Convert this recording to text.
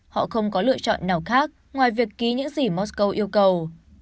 họ không có lựa chọn nào khác ngoài việc ký những gì mosco yêu cầu